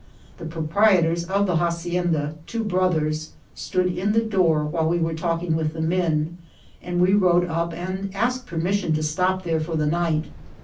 The proprietors of the hacienda, two brothers, stood in the door while we were talking with the men, and we rode up and asked permission to stop there for the night.